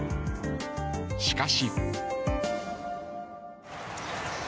しかし。